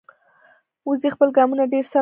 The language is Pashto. وزې خپل ګامونه ډېر سم اخلي